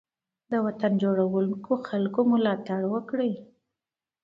د وطن جوړونکو خلګو ملاتړ وکړئ.